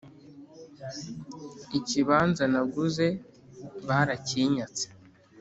Ikibanza naguze barakinyatse